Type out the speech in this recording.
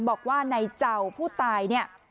บอกว่านายเจ้าผู้ตาย